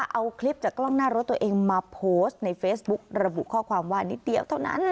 เอาคลิปจากกล้องหน้ารถตัวเองมาโพสต์ในเฟซบุ๊กระบุข้อความว่านิดเดียวเท่านั้น